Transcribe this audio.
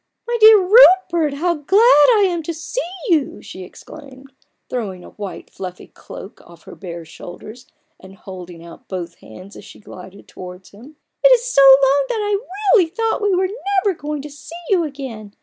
" My dear, dear Rupert, how glad I am to see you," she exclaimed, throwing a white fluffy cloak off her bare shoulders, and holding out both hands as she glided towards him. " It is so long, that I really thought we were never going to see you again.